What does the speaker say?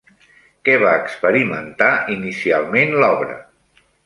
Què va experimentar inicialment l'obra?